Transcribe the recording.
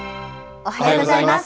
おはようございます。